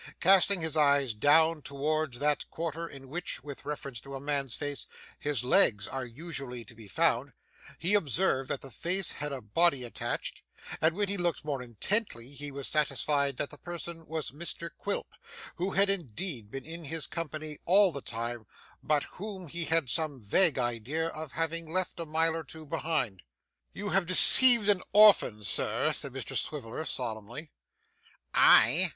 Casting his eyes down towards that quarter in which, with reference to a man's face, his legs are usually to be found, he observed that the face had a body attached; and when he looked more intently he was satisfied that the person was Mr Quilp, who indeed had been in his company all the time, but whom he had some vague idea of having left a mile or two behind. 'You have deceived an orphan, Sir,' said Mr Swiveller solemnly.' 'I!